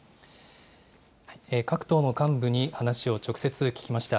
各党の幹部に話を直接聞きました。